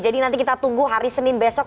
jadi nanti kita tunggu hari senin besok